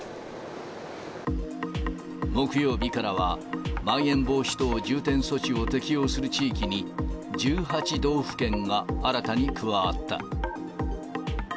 木曜日からは、まん延防止等重点措置を適用する地域に、１８道府県が新たに加わった。